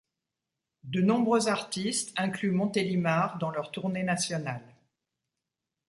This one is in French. De nombreux artistes incluent Montélimar dans leur tournée nationale.